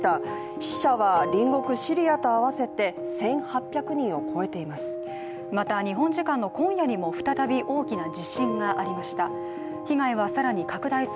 死者は隣国シリアと合わせて１８００人を超えています。